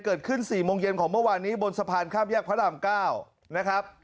เกิดขึ้น๔โมงเย็นของเมื่อวานนี้บนสะพานข้ามแยกพระราม๙นะครับ